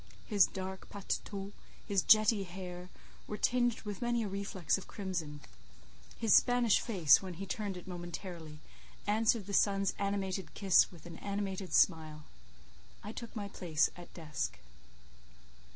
His dark paletôt, his jetty hair, were tinged with many a reflex of crimson; his Spanish face, when he turned it momentarily, answered the sun's animated kiss with an animated smile. I took my place at a desk.